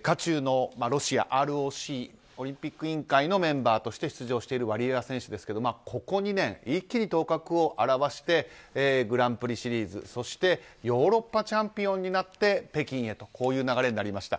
渦中のＲＯＣ・ロシアオリンピック委員会のメンバーとして出場しているワリエワ選手ですがここで一気に頭角を現してグランプリシリーズそしてヨーロッパチャンピオンになって北京へという流れになりました。